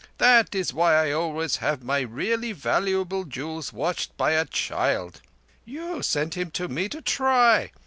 That is why I always have my really valuable jewels watched by a child. You sent him to me to try.